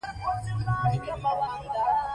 د شعوري او بشري ژوند خوا ته متمایله وه.